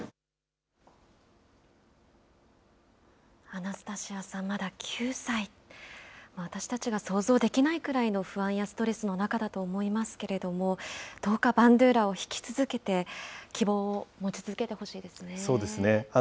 アナスタシアさん、まだ９歳、私たちが想像できないくらいの不安やストレスの中だと思いますけれども、どうかバンドゥーラを弾き続けて、希望を持ち続けてほしそうですね。